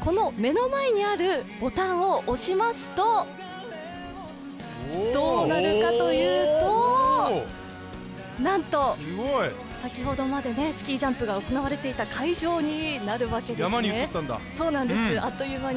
この目の前にあるボタンを押しますとどうなるかというとなんと先ほどまでスキージャンプが行われていた会場になるわけです。